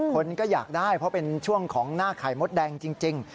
คนก็อยากได้เพราะเป็นช่วงของหน้าไข่มดแดงจริง